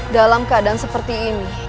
dalam keadaan seperti ini